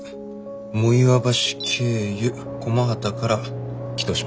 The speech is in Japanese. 茂岩橋経由駒畠から帰投します。